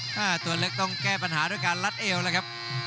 ตัวเล็กต้องแก้ปัญหาด้วยการลัดเอวเลยครับ